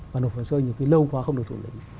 và nộp hồ sơ nhiều khi lâu quá không được thụ lý